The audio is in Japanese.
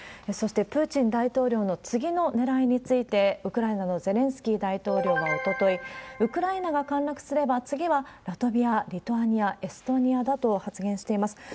そして、プーチン大統領の次のねらいについて、ウクライナのゼレンスキー大統領はおととい、ウクライナが陥落すれば、次はラトビア、リトアニア、エストニアだと発言しています。